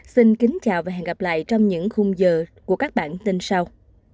xin kính chào và hẹn gặp lại trong những khung giờ của các bản tin sau